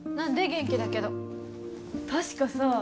元気だけど確かさ